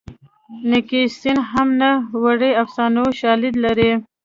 نیکي سین هم نه وړي افسانوي شالید لري